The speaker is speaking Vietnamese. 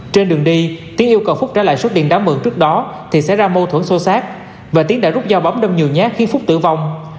trên đường đi tiến yêu cầu phúc trả lại số tiền đáng mượn trước đó thì sẽ ra mâu thuẫn sâu sát và tiến đã rút dao bóng đông nhiều nhát khi phúc tử vong